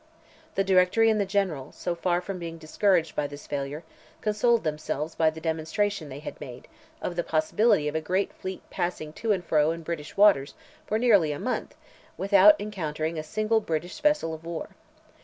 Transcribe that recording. The Directory and the General, so far from being discouraged by this failure, consoled themselves by the demonstration they had made, of the possibility of a great fleet passing to and fro, in British waters, for nearly a month, without encountering a single British vessel of war.